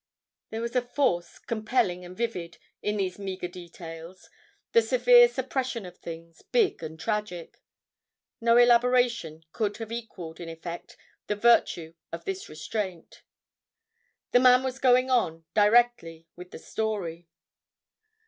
There was a force, compelling and vivid, in these meager details, the severe suppression of things, big and tragic. No elaboration could have equaled, in effect, the virtue of this restraint. The man was going on, directly, with the story.